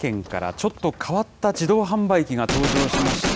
ちょっと変わった自動販売機が登場しました。